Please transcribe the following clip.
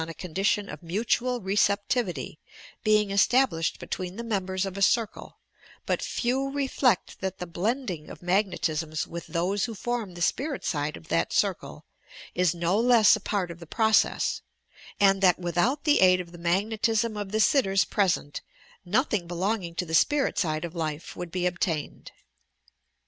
^H a condition of mutual receptivity, being established be ^H tween the members of a circle, but few reflect that the ^H blending of magnetisms with those who form tfae spirit ^H Bide of that circle, is no less a part of the process, and ^H that without the aid of the magnetism of the sitters ^H present nothing belonging to th€ spirit side of life would ^H be obtained.